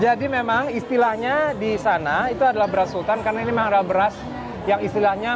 jadi memang istilahnya di sana itu adalah beras sultan karena ini marah beras yang istilahnya